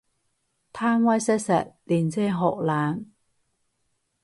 貪威識食，練精學懶